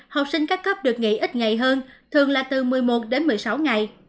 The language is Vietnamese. học sinh các cấp được nghỉ ít ngày hơn thường là từ một mươi một đến một mươi sáu ngày